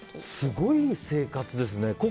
すごい生活ですね。